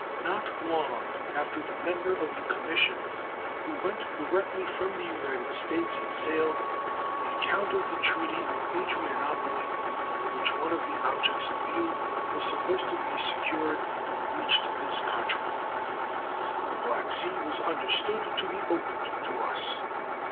Not long after the member of the commission who went directly from the United States had sailed, the account of the treaty of Adrianople, by which one of the objects in view was supposed to be secured, reached this country. The Black Sea was understood to be opened to us.